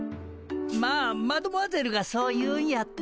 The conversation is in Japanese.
まあマドモアゼルがそう言うんやったら。